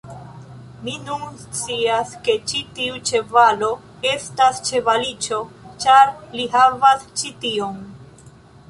Mi nun scias, ke ĉi tiu ĉevalo estas ĉevaliĉo ĉar li havas ĉi tion!